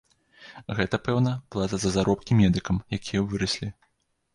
Гэта, пэўна, плата за заробкі медыкам, якія выраслі.